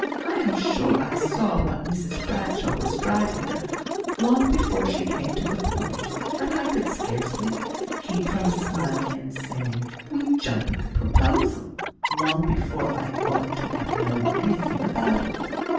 I am sure I saw what Mrs Bradshaw was driving at, long before she came to the point; and I could scarcely keep from smiling, and saying, 'We'd jump at the proposal' long before I ought to have known anything about it."